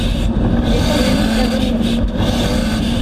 Il est endémique d'Indonésie.